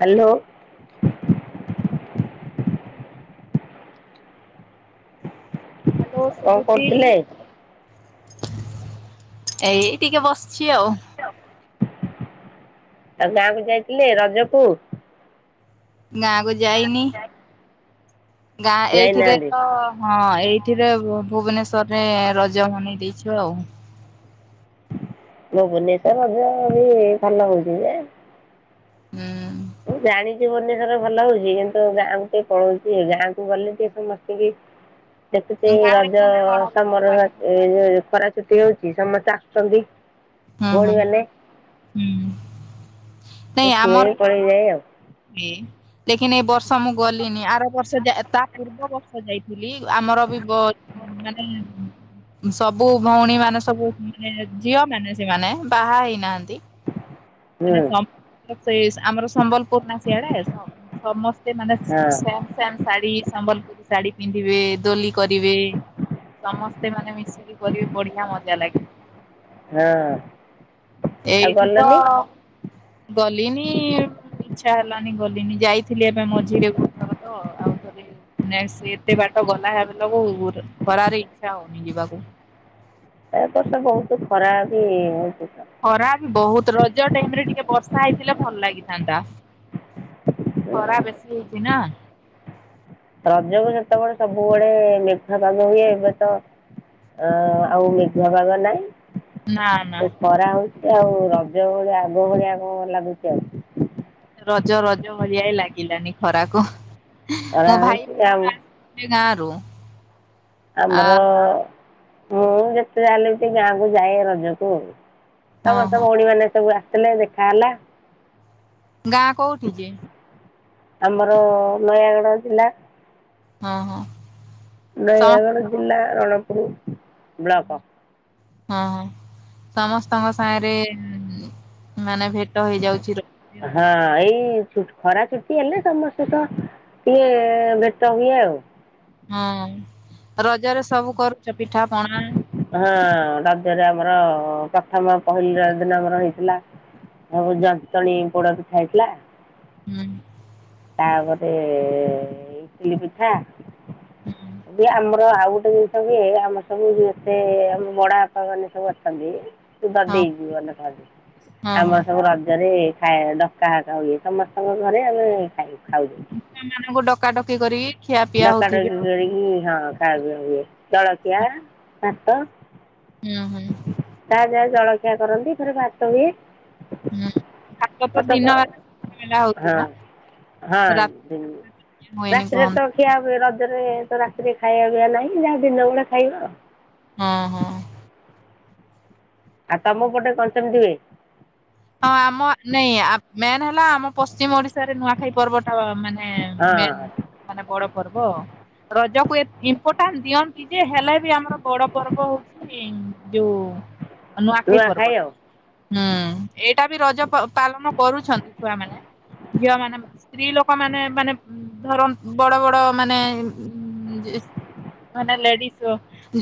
Hello. Hello କଣ ଶୁଭୁଚି। କରୁଥିଲେ? ଏଇ ଟିକେ ବସ ଛି ଆଉ। ଆଉ ଗାଁକ ଗାଁ କୁ ଯାଇନି। ଗାଁ ଏଇଥିରେ ଯାଇନାହାନ୍ତି। ତ ହଁ ଏଇ ଥିରେ ଭୁ ଭୁବନେ ସରରେ ରଜ ମନେଇଦେଇ। ଛା ଅଉଁ। ଭୁବନେଶ୍ୱର ରଜ ବି ଭଲ ଲାଗୁଚି ଯେ। ହୁଁ। ମୁଁ ଜାଣିଚି ଭୁବନେଶ୍ୱର ରେ ଭଲ ହଉଚି କିନ୍ତୁ ଗାଁ କୁ ଟିକେ ପଳଉଚି ଗାଁ କୁ ଗଲେ ଟିକେ ସମସ୍ତଙ୍କି। ଦେଖୁଚ ଏ ଗାଁରେ ରଜ କେମିତି କଣ ରଜ ସମର ପାଳନ ର। ହଉଛି? ସେଠି ହଉଛି ସମସ୍ତେ ଆସୁଛନ୍ତି। ହଁ ଭଉଣୀ ହଁ ମାନେ ହୁଁ। ସେ ପଳେଇଯାଏ ଆଉ। ହଁ ଲେକିନ ଏଇ । ତ ମୁଁ ଗଲିନି ଆରବର୍ଷ ଯାଇ ତା ପୂର୍ବ ବର୍ଷ। ଯାଇଥିଲି ଆମର ବି ମାନେ ସବୁ ଭଉଣୀ ମାନେ ସବୁ ଝିଅ ମାନେ ସେମାନେ ବାହାହେଇନାହାନ୍ତି। ହୁଁ ମାନେ ସେ ଆମର ସମ୍ବଲପୁର ନା ସିଆଡେ ସମସ୍ତେ ମାନେ ହଁ ସେମ ସେମ ଶାଢ଼ୀ ସମ୍ବଲପୁର। ଶାଢୀ ପିନ୍ଧିବେ ଦୋଲି କରିବେ ସମସ୍ତେ ମାନେ ମିଶିକି କରିବେ ବଢିଆ ମଜା ଲାଗେ। ହଁ ଆଉ ଏଇଠି ତ ଗଲନି। ଗଲିନି ଇଛା ହେଲାନି ଗଲିନି ଯାଇଥିଲି ଏବେ ମଝିରେ ଏତେ ବାଟ ଆଉ ଥରେ ଏତେ ବାଟ ଗଲା ହେବାକୁ ଖରା ରେ ଇଚ୍ଛା ହଉନି ଯିବା ପାଇଁ। ଏ ବର୍ଷ ବହୁତ ଖରା ହଉଚି। ଖରା ବି ବହୁତ ରଜ ଟାଇମରେ ଟିକେ ବର୍ଷା ହେଇଥିଲେ ଭଲ ଲାଗିଥାନ୍ତା ଖରା ବେଶୀ ହେଇଛି ନା। ରଜକୁ ସେତେବେଳେ ସବୁବେଳେେ ମେଘୁଆ ପାଗ ହୁଏ ଏବେତ ଆଉ ମେଘୁଆ ପାଗ ନାହିଁ। ନା ନା। ଏ ଖରା ହେଉଛି ଆଉ ରଜ ଭଳିଆ ଆଗ ଭଳିଆ କଣ ଲାଗୁଛି ଆଉ। ରଜ ରଜ ଭଳିଆ ହି ଲାଗିଲାନି ଖରାକୁ। ତାର ଆଉଚି ଆଉ। ନା ଲୋ। ଆମର ଅ। ମୁଁ ଯେତେ ଜାଲେ ଟିକେ ଗାଁକୁ ଯାଏ ରଜକୁ । ହଁ ତମର ତ ହଁ ଭଉଣୀ ମାନେ ସବୁ। ହେଲେ ଦେଖା ହେଲା। ଗାଁ କୋଉଠି ଯେ। ଆମର ନୟାଗଡ଼ ଜିଲ୍ଲା। ହଁ ହଁ ସମ ନୟାଗଡ଼ ଜିଲ୍ଲା । ରଣପୁରୁ। [unintelligible] ହଁ ହ ସମସ୍ତଙ୍କ ସାଙ୍ଗରେ ମାନେ ଭେଟ ହେଇଯାଉଛି ରଜରେ ଆଉ। ହଁ ଏଇ ଖରା ଛୁଟି ହେଲେ ସମସ୍ତେ ତ ଟିକେ ଭେଟ ହୁଏ ଆଉ ହୁଁ ରଜରେ ସବୁ କରୁ ପିଠା ପାଣ ହଁ ରଜରେ ଆମର ପ୍ରଥମ ପହିଲି ରଜ ଦିନ ଆମର ହେଇଥିଲା ସବୁ ଜନ୍ତଣୀ ପୋଡ ପିଠା ହେଇଥିଲା। ହୁଁ। ତାପରେ ଇଟିଲି ପିଠା। [unintelligible] ଆଉଗୋଟେ ଜିନିଷ ବି ଆମେ ସବୁ ସେ ବଡବାପା ସବୁ ଅଛନ୍ତି। ହଁ ଦଦେଇ ହଁ ଅମର ହଁ ସବୁ ରଜରେ ଖାଏ ଡକାଡକି ଏ ସମସ୍ତଙ୍କ ଘରେ ଆମେ ଖାଉ ଖାଉ ସେମାନଙ୍କୁ ଡ ଡକାଡକି କରି ଡକା ଡକି କରିକି। ହଁ ଜଲଖିଆ ଭାତ ହୁଁ ହୁଁ। ସକାଳେ ଜଳଖିଆ କରନ୍ତି, ଥରେ ଭାତ ହୁଏ। ହୁଁ ଭାତ ତ ଦିନ ବେଳା ହଉଥିବ ହଁ ହଁ ରାତି ହୁଏନି ରାତିରେ ତ କହନ୍ତି ଖିଆ ହୁଏ ରଜ ରଜରେ ତ ରାତିରେ ଖାଇବା ପିଇବା ନାହିଁ ଯାହା ଦିନ ବେଳେ ଖାଇବା ଆଉ। ହଁ ହଁ। ଆଉ ତମ ପଟେ କଣ ସେମିତିି ହୁଏ? ହଁ ଆମ ନାଇଁ ଆ ମେନ୍ ହେଲା ଆମ ପଶ୍ଚିମ ଓଡି ନୂଆଖାଇ ପର୍ବ ଟା ମାନେ ମେନ୍ ହଁ ମାନେ ବଡ ପର୍ବ ରଜ ଇମ୍ପୋର୍ଟାନ୍ସ ଦିଅନ୍ତି ଯେ ହେଲେ ବି ଆମର ବଡ ପର୍ବ ହଉଚି। ଯୋଉ ନୂଆଖାଇ ପର୍ବଟା ହୁଁ। ଏଇଟା ବି ରଜ ପ ପା ପାଲନ କରୁଛନ୍ତି ଛୁଆମାନେ। ଝିଅ ମାନେ ସ୍ତ୍ରୀ ଲୋକ ମାନ ମାନେ ଧର ବଡ ବଡ ହଁ ମାନେ ମାନେ ଲେଡିଜ୍ ଯ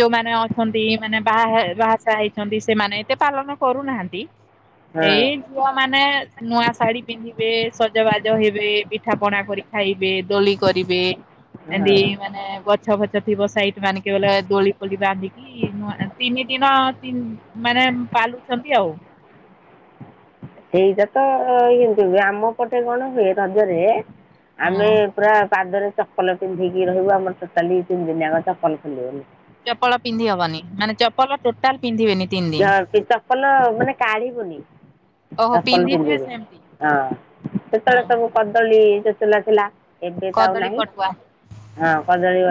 ଯୋଉମାନେ ଅଛନ୍ତି ମାନେ ବାହା ହ ବାହା ସାହା ହେଇଛନ୍ତି, ସେମାନେ ଏତେ ପାଳନ କରୁନାହାନ୍ତି। ଏଇ ହଁ ଝୁଅ ମାନେ ନୂଆ ଶାଢୀ ପିନ୍ଧିବେ। ସଜବାଜ ହେବେ ପିଠା ପଣା କରି ଖାଇବେ ଦୋଳି କରିବେ। ଏଣ୍ତି ହଁ ମାନେ ଗଛ ଫଛ ଥିବ ସାଇଟ୍ ମାନଙ୍କରେ ଦୋଳି [unintelligible] ଏଇ ନୂଆ ତିନି ତିତି ମାନେ ପାଲୁଛନ୍ତି ଆଉ। ସେଇଟା ତ କିନ୍ତୁ ଆମ ପଟେ କଣ ହୁଏ ରଜରେ। ହଁ। ଆମେ ପୁରା ପାଦରେ ଚପଲ ପିନ୍ଧିକି ରହିବୁ ଆମର ଟୋଟାଲି ଦି ତିନି ଦିନ ଆଗ ଚପଲ ଖୋଲିବନି। ଚପଲ ପିନ୍ଧିହବନି ମାନେ ଚପଲ ଟୋଟାଲ ପିନ୍ଧିବେନି। ତିନି [unintelligible] ଦିନ ଚପଲ ମାନେ କାଢିବୁନି ଓହୋ ଚପଲ ପିନ୍ଧିଥିବେ ପିନ୍ଧିବୁ ସେମିତି। ହଁ ସେତେବେଳେ ହଁ ସବୁ କଦଳୀ। ନଥିଲା ଏବେ ତ ଆଉ କଦଳୀ ନାହିଁ ପଟୁଆ ହଁ କଦଳୀ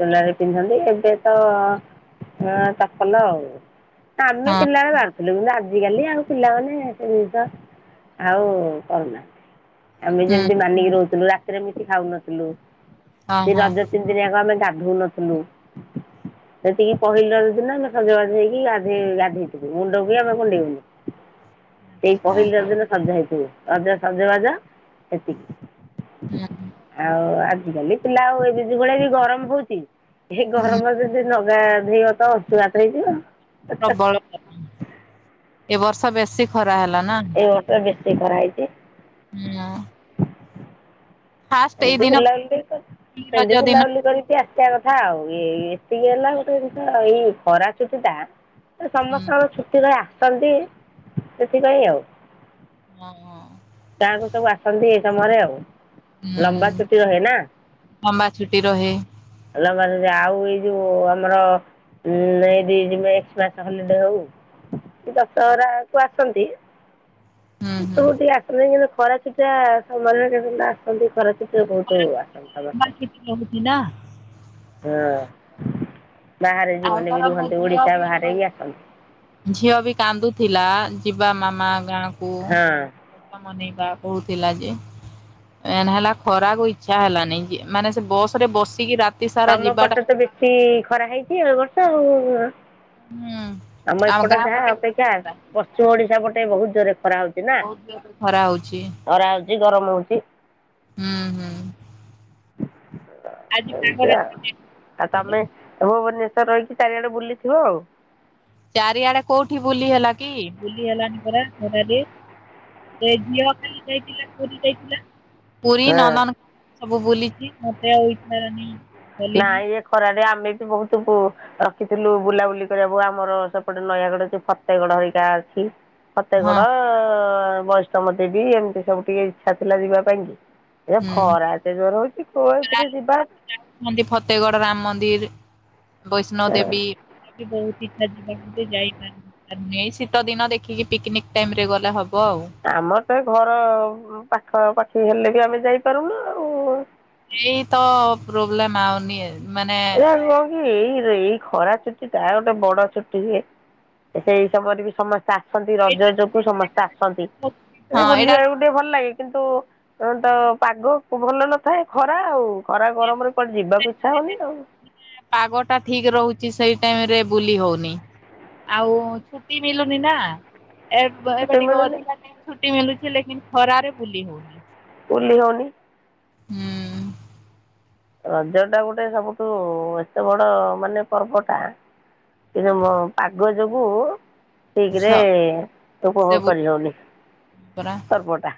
ଚୋଲାରେ ପିନ୍ଧନ୍ତି ଆଉ ସେ ତ ଚାପଲ ଆଉ ଆଁମେ ହଁ ପିଲା କ କିନ୍ତୁ ଆଜିକାଲି ଆଉ ପିଲାମାନେ ସେ ଜିନଷ ଆଉ କରୁନାହାନ୍ତି। ଆମେ ହୁଁ ଯେମିତି ମାନିକି ରହୁଥିଲୁ ରା ଏମିତି ଖାଉନଥିଲୁ। ହଁ ହଁ ରଜ ତିନି ଦିନି ଆକ ଆମେ ହଉନଥିଲୁ ସେତିକି ପହିଲ ଦିନ ଆମେ ସଜବାଡି ହେଇକି ଗାଧେଇଥିବ ମୁଣ୍ଡ କି ଆମେ କୁଣ୍ଡେଇନୁ। ଏ ଆଚ୍ଛା ପହିଲି ରଜ ଦିନ ସନ୍ଧ୍ୟା ହେଇଛି। ରଜ ସଜ ବାଜା ସେତିକି ହୁଁ [inaudible] ଆଉ ଆ ଗଲି ପିଲା ଆଉ ଏ ଦି ଯ ଭଳିଆ ବି ଗରମ ହଉଛି। ଏ ହୁଁ ଗରମ ରେ ଯଦି ନ ପୁରା ଦିହ ଅଂଶୁଘାତ ହେଇଯିବ। ପ୍ରବଳ ଏ ବର୍ଷ ବେଶୀ ଖରା। ପା ହେଲା ନା ସେ ଖରା ହେଇଛି। ହଁ ନା ଏମିତି ବୁଲାବୁଲି ରଜ ସେମତି ଦିନ ବୁଲାବୁଲି କରିିଆ ଆସିବା କଥା ଆଉ ଏଇ ଏତିକି ହେଲା ଗୋଟେ ଜିନିଷ ଏଇ ଖରା ଚୁଟି ଟା। ତ ହୁଁ ସମସ୍ତଙ୍କର ଛୁଟି ର ଅଛନ୍ତି ସେଥିପାଇଁ ଆଉ ଙ ଙ। ଗାଁକୁ ସବୁ ଆସନ୍ତି ଏଇ ସମୟରେ ଆଉ। ଲମ୍ବା ଛୁଟି ରହେ ହୁଁ ନା ଲମ୍ବା ଛୁଟି ରହେ ଲବ ଆଉ ଏଇ ଯୋଉ ଆମର ଏ ଏକ୍ସମାସ ହଲିଡେ ହଉ ଦଶହରାକୁ ଆସନ୍ତି। ହୁଁ ହୁଁ। [unintelligible] ଆସଲେ ଖରା ଛୁଟି ରେ ସେମାନେ ଆସନ୍ତି ଖରା ଏଥିରେ ବଡ଼ ଆସନ୍ତା ଲମ୍ବା ବାଟ ଛୁଟି ରହୁଛି ନା। [inaudible] ହଁ। ବାହାରେ ଆଉ ଯେଉଁମାନେ ବି ତର ମୋ ରୁହନ୍ତି ଝିଅ ଓଡ଼ିଶା ବି ବାହାରେ ଆସନ୍ତି [inaudible] ଝିଅ ବି କାନ୍ଦୁଥିଲା। ଯିବା ମାମା ଗାଁ କୁ ହଁ ମନେଇବା କହୁଥିଲା ଯେ ମେନ ହେଲା ଖରାକୁ ଇଚ୍ଛା ହେଲାନି ଯେ ମାନେ ସେ ବସ ରେ ବସିକି ରାତ ତମ ପଟ ତ ବେଶୀ ଖରା ହେଇଛି ଏ ବର୍ଷ । ଓ ହା । ହୁଁ ଆମ ଏପଟେ ଗାଁ ଯାହା ପଟେ ଅପେକ୍ଷା ଖରା ପଶ୍ଚିମ ଓଡିଶା ପଟେ ବହୁତ ଜୋରେ ଖରା ହଉଛି ନା ବହୁତ ଜୋରରେ ଖରା ହଉଛି ଖରା ହଉଛି ଗରମ ହଉଛି । ହୁଁ ହୁଁ। ଆଜି ଏମତି ପାଗଟା ଆଉ ଆ ଟିକେ ଯେ ତମେ ତମେ ମାନେ । ସେ ରହିଛି ଚାରିଆଡେ ବୁଲିଥିବ ଆଉ । ଚାରିଆଡେ କୋଉଠି ବୁଲି ହେଲା କି ବୁଲି ହେଲାଣି ପରା ଖରାରେ ସେ ଝିଅ ଖାଲି ଯାଇଥିଲା ପୁରୀ ଯାଇଥିଲା। ପୁରୀ ହଁ ନନନ କନ୍ ସବୁ ବୁଲିକି ମତେ ଆଉ ଇଚ୍ଛା ହେଲାନି । ନାଇ ଇଏ ଖରାରେ ଆମେ ବି ବହୁତ କୁ ରଖିଥିଲୁ ବୁଲାବୁଲି କରିବାକୁ ଆମର ସେପଟେ ନୟାଗଡ ଯୋଉ ଫତେଗଡ ହରିକା ଅଛି । ହଁ ଫତେଗଡ । ବୈଷ୍ମବ ଦେଵୀ ଏମିତି ସବୁ ଟିକେ ଇଚ୍ଛା ଥିଲା ଯିବା ପାଇଁ କି । ଏ ହୁଁ ଖରା ଏତେ ଜୋର ହଉଛି କୁଆଡେ ଏଥିରେ ଯିବା । ମନ୍ଦିର ଫତେଗଡ ରାମ ମନ୍ଦିର । ବୈଷ୍ଣୋବ ଦେବୀ ଏଠି ବହୁତ । ଇଛା ଯିବାକୁ ଯେ ଯାଇପରୁନୁ ଏଇ ଶୀତ ଦିନ ଦେଖିକି ପିକନିକ ଟାଇମ ରେ ଗଲେ ହବ । ଆମର ତ ଘର ପାଖ ପାଖ । ସେ ହେଲେ ବି ଆମେ ଯାଇପାରୁନ ଆଉ । ଏଇ ତ ପ୍ରୋବ୍ଲେମ ଆଉ ନିଏ । ମାନେ ଏଇ । କ'ଣ ଏଇ ରେ ଏଇ ଖରା ଛୁଟି ତା ଗୋଟେ ବଡ ଛୁଟି ହୁଏ ସେଇ ସମୟରେ ବି ସମସ୍ତେ । ଆସନ୍ତି ରଜ ଯୋଗୁ ସମସ୍ତେ ଆସନ୍ତି ଏ ହଁ ଏଇଟା ବୁଲିବାକୁ ଟିକେ ଭଲ ଲାଗେ। କିନ୍ତୁ ତ ପାଗ ଭଲ ନଥାଏ ଖରା ଆଉ । ଖରା ଗରମରେ କୁଆଡେ ଯିବାକୁ ଇଚ୍ଛା ହଉନି । ପାଗ ଟା ଠିକ ରହୁ । ଛି ସେଇ ଟାଇମ ରେ ବୁଲି ହଉନି ଆଉ ଛୁଟି ମିଲୁନି ନା । ଏବ ଛୁଟି ଏବେ ଟିକେ ମିଳୁନି ଅଧିକା ଟାଇମ୍ ‌ଛୁଟି। ଛୁଟି ମିଳୁଛି ଲେକିନ ଖରାରେ ବୁଲି ହଉନି। ବୁଲି ହଉନି। ହୁଁ। ରଜ ଟା ଗୋଟେ ସବୁଠୁ ଏତେ ବଡ ମାନେ ପର୍ବଟା କିନ୍ତୁ ମ ପାଗ ଯୋଗୁ ସ ଠିକରେ ସେ ଉପଭୋଗ ବୁଲି କରି ହଉନି ପରା ପର୍ବ ଟା।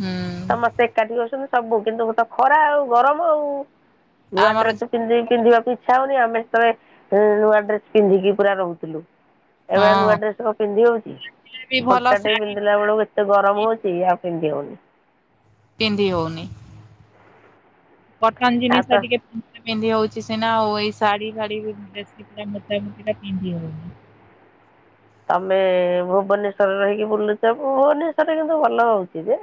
ହୁଁ ସମସ୍ତେ ଏକାଠି ହଉଛନ୍ତି। ସବୁ କିନ୍ତୁ ତ ଖରା ଆଉ ଗରମ ଆଉ। ନୂଆ ଆମର ଡ୍ରେସ ପିନ୍ଧିବାକୁ ଇଚ୍ଛା ଛା ହଉନି ଆମେ ସେତଳେ ନୂଆ ଡ୍ରେସ ପିନ୍ଧିକି ପୁରା ରହୁଥିଲୁ। ଏବେ ନୂଆ ହଁ ଡ୍ରେସ ପିନ୍ଧି ହଉଛି ବି ଭଲ ଫଟା ଟେ ଶାଢୀ ପିନ୍ଧିଲା ବେଳକୁ ଏତେ ଗରମ ହଉଛି। ପିନ୍ଧି ହଉନି। ପିନ୍ଧି ହଉନି। କଟନ ଆଉ ତ ଜିନିଷ ଟିକେ ପିିନ୍ଧି ହଉଚି ସିନା ଆଉ ଏଇ ଶାଢ଼ୀ ଫାଢୀ ମୋଟା ମୋଟି ଇରା ପିନ୍ଧିହଉନି। ତମେ ଭୁବନେଶ୍ଵରରେ ରହିକି ବୁଲୁଛ ଭୁବନେଶ୍ବରରେ କିନ୍ତୁ ଭଲ ହଉଛି ଯେ।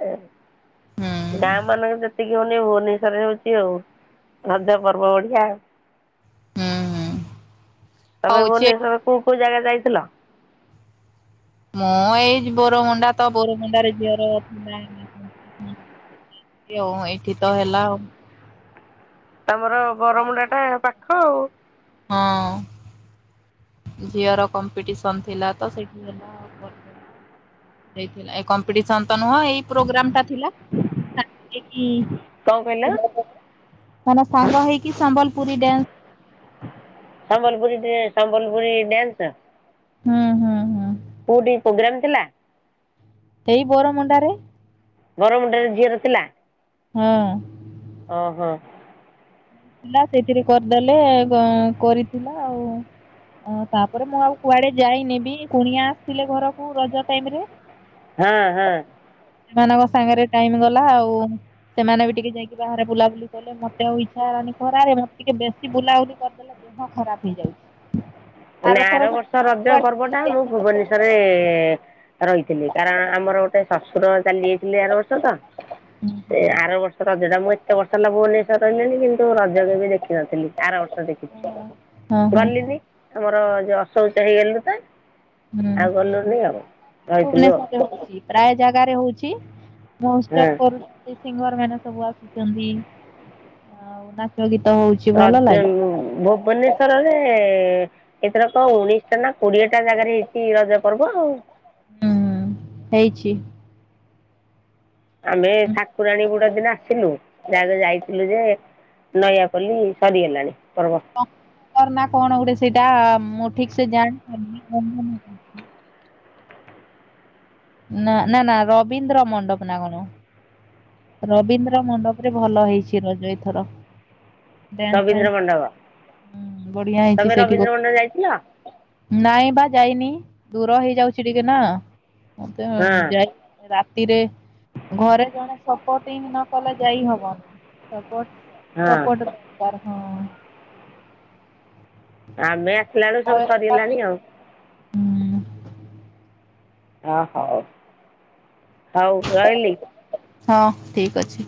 ହୁଁ ଗାଁ ମାନଙ୍କ ଯେତିକି ହଉନି ଭୁବନେଶ୍ଵରରେ ହଉଛି ଆଉ ରଜ ପର୍ବ ବଢିଆ ଆଉ। ହୁଁ ହୁଁ ତମେ ହଉଛି ଭୁବନେଶ୍ୱରରେ କୋଉ କୋଉ ଜାଗା ଯାଇଛ? ଥିଲା ମୁଁ ଏଇ ବରମୁଣ୍ଡା ତ ବରମୁଣ୍ଡାରେ ଝିଅର ଥିଲା ଆଉ ଏଇଠି ତ ହେଲା ଆଉ। ଆମର ବରମୁଣ୍ଡା ଟା ପା ହଉ ହଁ। ଝିଅର କମ୍ପିଟିସନ ଥିଲା ତ ସେଠି ହେଲାଥିଲା ଏ ତ। ନୁହଁ ଏଇ ପ୍ରୋଗ୍ରାମ ଟା ଥିଲା। ସାଙ୍ଗହେଇକି କଣ କହିଲ ମାନେ ସାଙ୍ଗହେଇ କି କି ସମ୍ବଲପୁରୀ ଡ୍ୟାନ୍ସ ସମ୍ବଲପୁରୀ ସମ୍ବଲପୁରୀ ଡ୍ୟାସର ହୁଁ ହୁଁ ହୁଁ। କୋଉଠି ପ୍ରୋଗ୍ରାମ ଥିଲା? ସେଇ ବରମୁଣ୍ଡାରେ ବରମୁଣ୍ଡରେ ଝିଅର ଥିଲା ହୁଁ। ଓ ହୋ। ଥିଲା ସେଇଥିରେ କରିଦେଲେ କରିଥିଲା ଆଉ ତାପରେ ମୁଁ ଆଉ କୁଆଡେ ଯାଇନେବି କୁଣିଆ ଆସିଥିଲେ ଘରକୁ ରଜ ଟାଇମରେ ହୁଁ ହୁଁ। ସେମାନଙ୍କ ସାଙ୍ଗରେ ଟାଇମ ଗଲା ଆଉ ସେମାନେ ବି ଟିକେ ଯାଇକି ବାହାରେ ବୁଲାବୁଲି କଲେ ମତେ ଆଉ ଇ ଣ ଖରାରେ ଟିକେ ବେଶୀ ବୁଲାବୁଲି କରିଦେଲେ ଦେହ ଖରାପ ହେଇଯାଉଛି। ନା ଆରଥର ଆର ବର୍ଷ ରଜ କୁଆଡେ ପର୍ବ ବୁଲି ଟା ମୁଁ ଯାଇଥିଲି ହୁଁ ଭୁବନେଶ୍ଵରରେ ରହିଛି। ଥିଲି କାରଣ ଆମର ଗୋଟେ ଶଶୁର ଚାଲି ଯାଇଥିଲେ ଆର ବର୍ଷ ତ ସେ ଆର ବର୍ଷ ରଜ ଟା ମୁଁ ଏତେ ବର୍ଷ ହେଲା ଭୁବନେଶ୍ୱର ସରିଲାଣି କିନ୍ତୁ ରଜ କେବେ ଦେଖିନଥିଲି ଆରବର୍ଷ। ହୁଁ ହଁ [unintelligible] ହଁ ଗଲିନି। ଆମର ଯୋଉ ଅଶୌଚ ହେଇଗଲି ପା ହୁଁ ଆଉ ଗଲୁନି ଆଉ ରହିଥିଲୁ ଆଉ। ଭୁବନେଶ୍ୱରରେ ହଉଛି ପ୍ରାୟ ଜାଗାରେ ହଉଛି। ମୋଷ୍ଟ ଅଫ୍ ହଁ କର। [unintelligible] ସିଙ୍ଗର ମାନେ ସବୁ ଆସୁ ଛନ୍ତି। ଆଉ ନାଚ ଗୀ [unintelligible] ଭୁବନେଶ୍ଵରରେ ଏଥର କଣ ଉଣେଇଶିଟା ନା କୋଡିଏଟା ଜାଗାରେ ହେଇଛି ରଜ ପର୍ବ ଆଉ। ହୁଁ ହେଇଛି। ଆମେ ଠାକୁରାଣୀ ଗୁଡା ଦିନ ଆସିଲୁ। ସିଆଡେ ଯାଇଥିଲୁ ଯେ ନୟାପଲ୍ଲୀ ସରିଗଲାଣି। ପର୍ବ କ [unintelligible] କର ନା କଣ ଗୋଟେ ସେଇଟା? ମୁଁ ଠିକ ସେ ଜା। [unintelligible] ନା ନା ନା ରବୀନ୍ଦ୍ର ମଣ୍ଡପ ନା ରବୀନ୍ଦ୍ର ମଣ୍ଡପରେ ଭଲ ହେଇଛି ରଜ ଏଥର। ଡାନ୍ସ ରବୀନ୍ଦ୍ର ଫେନ୍ସ ମଣ୍ଡପ [inaudible] ବଢିଆ ହେଇଛି ତମେ ସେଠି ରବୀନ୍ଦ୍ର ମଣ୍ଡପ ଯାଇଥିଲ [inaudible] ନାଇଁ ବା ଯାଇନି। ଦୂର ହେଇଯାଉଛି ଟିକେ ନା। ମଁ ତ ହଁ ଯାଇ ରା। [inaudible] [unintelligible] ଘରେ ଜଣେ ସପୋର୍ଟ ହି ନ କଲେ ଯାଇ ହବନି। ସୋପର୍ଟ। ହଁ ସପୋର୍ଟ [unintelligible] କାର ହଁ। ଆମେ ଆସିଲାଳୁ ସବୁ ସରିଗଲାଣି ଆଉ। ହୁଁ। ହ ହୋଉ। ହଉ ରହିଲି। ହଁ ଠିକ୍ ଅଛି।